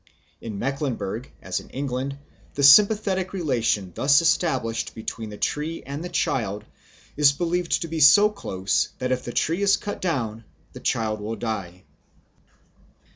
In Mecklenburg, as in England, the sympathetic relation thus established between the tree and the child is believed to be so close that if the tree is cut down the child will die.